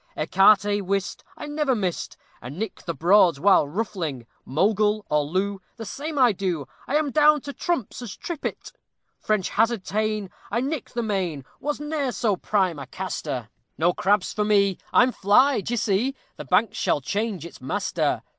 Ecarté, whist, I never missed, A nick the broads while ruffling. Mogul or loo, The same I do, I am down to trumps as trippet! French hazard ta'en, I nick the main, Was ne'er so prime a caster. No crabs for me, I'm fly, d'ye see; The bank shall change its master.